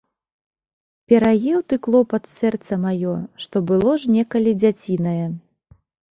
Пераеў ты, клопат, сэрца маё, што было ж некалі дзяцінае.